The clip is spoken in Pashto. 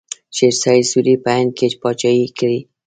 شیرشاه سوري په هند کې پاچاهي کړې.